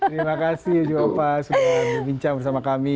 terima kasih ujung opa sudah bincang bersama kami